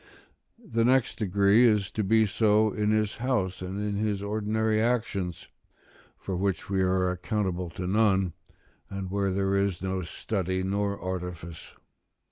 The next degree is to be so in his house, and in his ordinary actions, for which we are accountable to none, and where there is no study nor artifice.